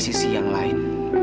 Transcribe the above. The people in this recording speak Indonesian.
sisi yang lain